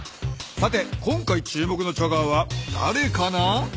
さて今回注目のチャガーはだれかな？